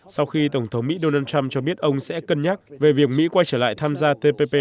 sau khi tổng thống mỹ donald trump cho biết ông sẽ cân nhắc về việc mỹ quay trở lại tham gia tpp